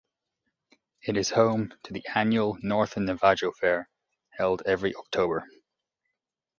It is home to the annual Northern Navajo Fair, held every October.